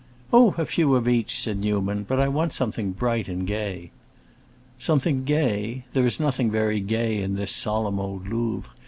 "Oh, a few of each," said Newman. "But I want something bright and gay." "Something gay? There is nothing very gay in this solemn old Louvre.